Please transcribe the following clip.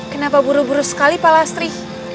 kenapa buru buru sekali pak lastri